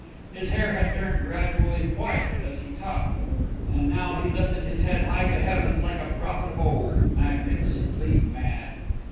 His hair had turned gradually white as he talked, and now he lifted his head high to the heavens like a prophet of old magnificently mad.